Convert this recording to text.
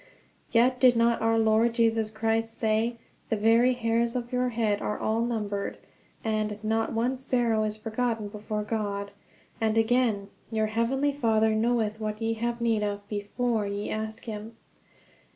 Yet did not our Lord Jesus Christ say: "The very hairs of your head are all numbered"; and "not one sparrow is forgotten before God"; and again, "Your heavenly Father knoweth what ye have need of before ye ask him"?